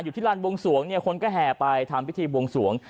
ที่ลานบวงสวงเนี่ยคนก็แห่ไปทำพิธีบวงสวง